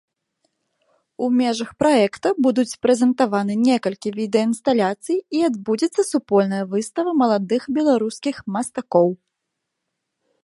У межах праекта будуць прэзентаваны некалькі відэаінсталяцый і адбудзецца супольная выстава маладых беларускіх мастакоў.